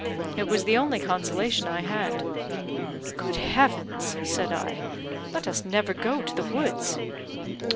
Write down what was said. It was the only consolation I had." "Good Heavens!" said I, "let us never go to the woods."